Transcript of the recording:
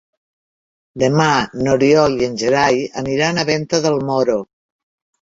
Demà n'Oriol i en Gerai aniran a Venta del Moro.